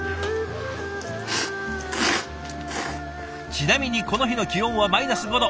ちなみにこの日の気温はマイナス５度。